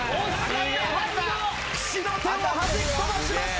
岸の手をはじき飛ばしました